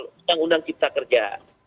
undang undang cipta kerja